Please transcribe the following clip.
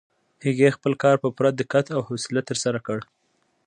هغې خپل کار په پوره دقت او حوصله ترسره کړ.